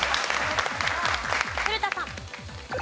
古田さん。